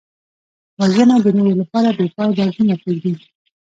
وژنه د نورو لپاره بېپایه دردونه پرېږدي